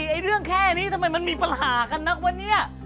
ไอ้เรื่องแค่นี้ทำไมมันมีปัญหากันนักวะเนี่ย